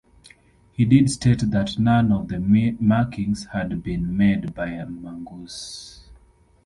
He did state that none of the markings had been made by a mongoose.